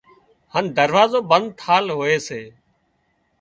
هانَ دروازو بند ٿل هوئي سي